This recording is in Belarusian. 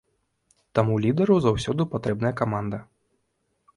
Таму лідару заўсёды патрэбная каманда.